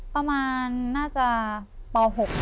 ประมาณน่าจะป๖